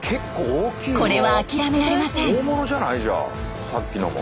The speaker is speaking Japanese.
これは諦められません。